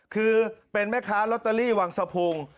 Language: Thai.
คือเป็นแม่ค้าลอตเตอรี่วังสะพุง